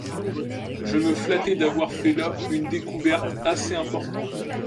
Je me flattais d’avoir fait là une découverte assez importante.